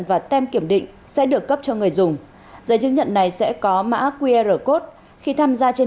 và tem kiểm định sẽ được cấp cho người dùng giấy chứng nhận này sẽ có mã qr code khi tham gia trên